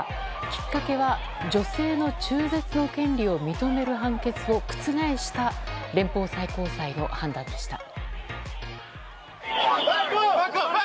きっかけは、女性の中絶の権利を認める判決を覆した連邦最高裁の判断でした。